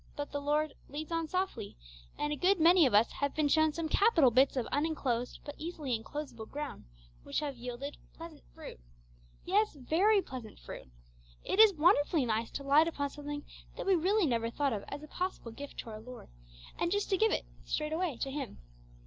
But the Lord 'leads on softly,' and a good many of us have been shown some capital bits of unenclosed but easily enclosable ground, which have yielded 'pleasant fruit.' Yes, very pleasant fruit! It is wonderfully nice to light upon something that we really never thought of as a possible gift to our Lord, and just to give it, straight away, to Him.